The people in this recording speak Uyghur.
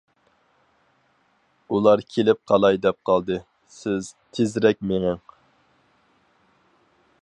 ئۇلار كېلىپ قالاي دەپ قالدى، سىز تېزرەك مېڭىڭ!